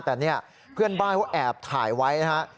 แต่เนี่ยเพื่อนบ้านเขาแอบถ่ายไว้นะฮะ